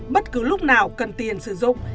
bất cứ lúc nào cần tiền sử dụng